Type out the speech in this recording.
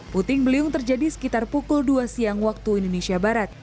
puting beliung terjadi sekitar pukul dua siang waktu indonesia barat